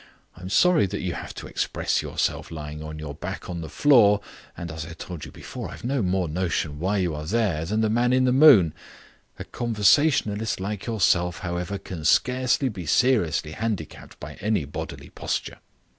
I'm sorry that you have to express yourself lying on your back on the floor, and, as I told you before, I've no more notion why you are there than the man in the moon. A conversationalist like yourself, however, can scarcely be seriously handicapped by any bodily posture.